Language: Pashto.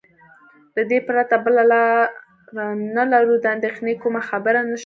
له دې پرته بله لار نه لرو، د اندېښنې کومه خبره نشته.